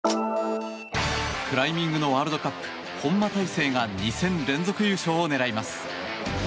クライミングのワールドカップ本間大晴が２戦連続優勝を狙います。